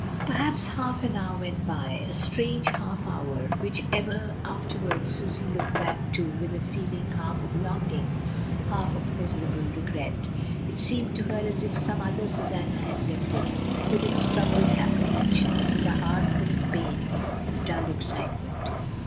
Perhaps half an hour went by — a strange half hour, which ever afterwards Susy looked back to with a feeling half of longing, half of miserable regret. It seemed to her as if some other Susanna had lived it, with its troubled apprehensions, with a heart full of pain, of dull excitement.